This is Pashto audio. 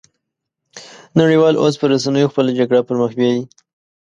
نړۍ وال اوس په رسنيو خپله جګړه پرمخ بيايي